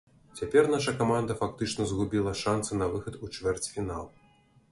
Цяпер наша каманда фактычна згубіла шанцы на выхад у чвэрцьфінал.